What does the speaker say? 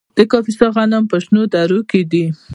د کاپیسا غنم په شنو درو کې دي.